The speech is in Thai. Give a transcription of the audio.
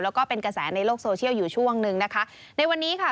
แล้วก็เป็นกระแสในโลกโซเชียลอยู่ช่วงหนึ่งนะคะในวันนี้ค่ะ